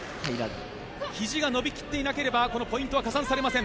ひじが伸び切っていなければこのポイントは加算されません。